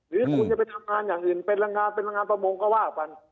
หรือว่าคุณจะไปทำงานอย่างอื่นเป็นรางงานประมงก็ว่ากัน